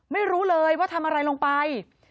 ไม่รู้เลยว่าทำอะไรลงไป